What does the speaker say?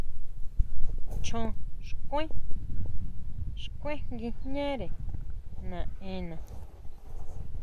Chon xkuen, xkuen nguijñare naʼena.